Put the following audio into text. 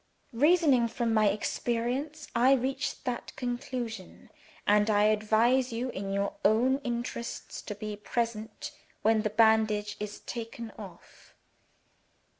Reasoning from my experience, I reach that conclusion; and I advise you, in your own interests, to be present when the bandage is taken off.